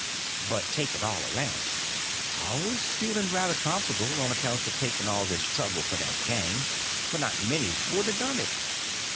But take it all around, I was feeling ruther comfortable on accounts of taking all this trouble for that gang, for not many would a done it.